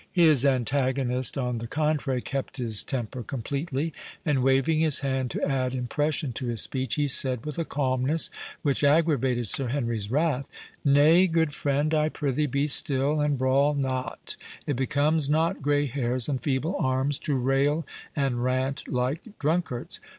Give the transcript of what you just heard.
His antagonist, on the contrary, kept his temper completely, and waving his hand to add impression to his speech, he said, with a calmness which aggravated Sir Henry's wrath, "Nay, good friend, I prithee be still, and brawl not—it becomes not grey hairs and feeble arms to rail and rant like drunkards.